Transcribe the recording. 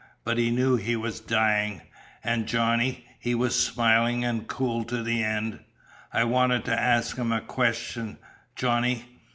But he knew he was dyin'; an' Johnny, he was smilin' an' cool to the end. I wanted to ask 'im a question, Johnny.